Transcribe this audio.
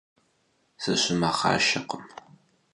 Сыщымэхъашэкъым.